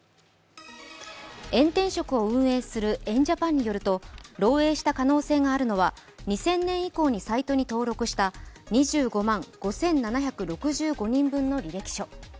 エン転職を運営するエン・ジャパンによると漏えいした可能性があるのは２０００年以降にサイトに登録した２５万５７６５人分の履歴書。